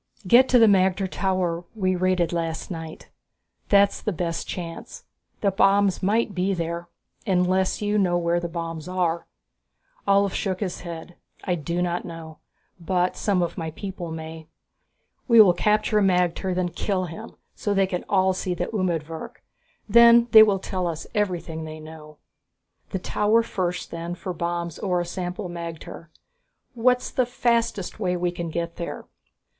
"Get to the magter tower we raided last night, that's the best chance. The bombs might be there.... Unless you know where the bombs are?" Ulv shook his head. "I do not know, but some of my people may. We will capture a magter, then kill him, so they can all see the umedvirk. Then they will tell us everything they know." "The tower first then, for bombs or a sample magter. What's the fastest way we can get there?"